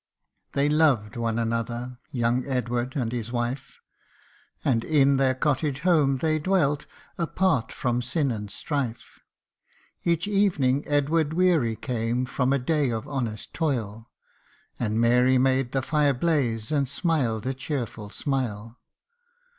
THEY loved one another ! young Edward and his wife, And in their cottage home they dwelt, apart from sin and strife. Each evening Edward weary came from a day of honest toil, And Mary made the fire blaze, and smiled a cheerful smile.